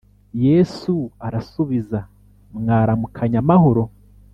Yesu arasubiza mwaramukanye amahoro